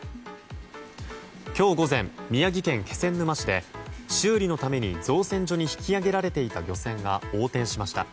今日午前、宮城県気仙沼市で修理のために造船所に引き揚げられていた漁船が横転しました。